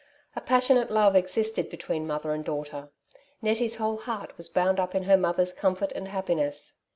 A passionate love existed between mother and daughter. Nettie's whole heart was bound up in her mother's comfort and happiness.